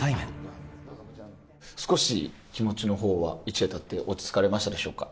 少し気持ちの方は一夜たって落ち着かれましたでしょうか？